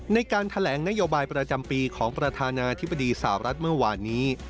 ในการแถลงนโยบายประจำปีของประธานาธิบดีสาวรัฐเมื่อวานนี้